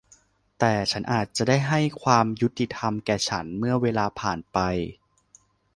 แต่ฉันอาจจะให้ความยุติธรรมแก่ฉันเมื่อเวลาผ่านไป